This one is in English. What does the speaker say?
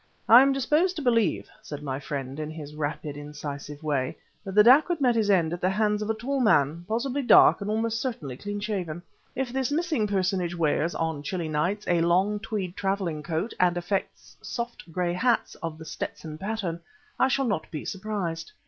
"I am disposed to believe," said my friend, in his rapid, incisive way, "that the dacoit met his end at the hands of a tall man, possibly dark and almost certainly clean shaven. If this missing personage wears, on chilly nights, a long tweed traveling coat and affects soft gray hats of the Stetson pattern, I shall not be surprised."